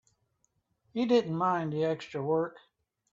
He didn't mind the extra work.